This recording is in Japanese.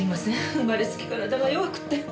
生まれつき体が弱くって。